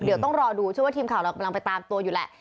เดี๋ยวต้องรอดูเชื่อว่าทีมข่าวเรากำลังไปตามตัวอยู่แหละ